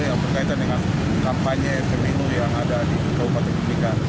yang berkaitan dengan kampanye pemilu yang ada di kabupaten mimika